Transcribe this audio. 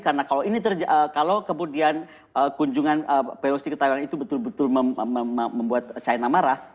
karena kalau kemudian kunjungan pelosi ke taiwan itu betul betul membuat china marah